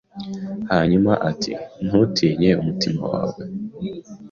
Hanyuma ati 'Ntutinye umutima wawe